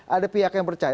ada pihak yang percaya